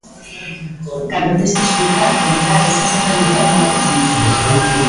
Cando tes que explicar, contar, estás a realizar un acto político.